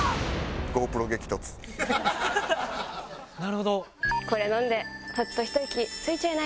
なるほど。